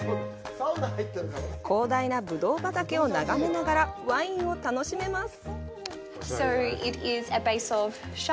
広大なブドウ畑を眺めながらワインを楽しめます。